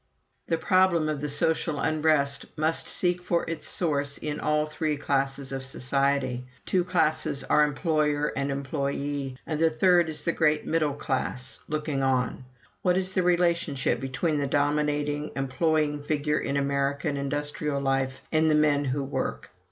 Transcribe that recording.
"The problem of the social unrest must seek for its source in all three classes of society! Two classes are employer and employee, the third is the great middle class, looking on. What is the relationship between the dominating employing figure in American industrial life and the men who work?